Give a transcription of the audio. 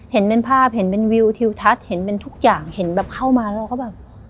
เห็นเป็นภาพเห็นเป็นวิวทิวทัศน์เห็นเป็นทุกอย่างเห็นแบบเข้ามาแล้วเราก็แบบ